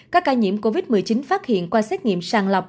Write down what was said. các ca nhiễm covid một mươi chín phát hiện qua xét nghiệm sàng lọc